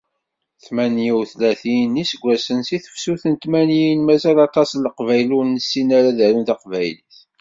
Tmanya utlatin n yiseggasen si tefsut n tmanyin, mazal aṭas n leqbayel ur nessin ara ad arun taqbaylit.